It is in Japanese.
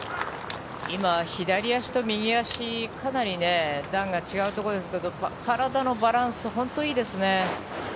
今、左足と右足かなり段が違うところですが体のバランスが本当にいいですね。